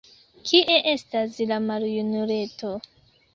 Kie estas la maljunuleto?